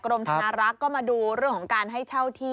กรมธนารักษ์ก็มาดูเรื่องของการให้เช่าที่